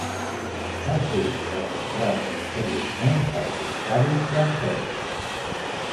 Va ser demostrat posteriorment per corsaris francesos.